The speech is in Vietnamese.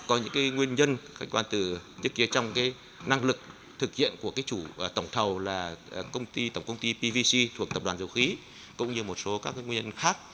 có những cái nguyên nhân khả năng lực thực hiện của cái chủ tổng thầu là tổng công ty pvc thuộc tập đoàn dầu khí cũng như một số các nguyên nhân khác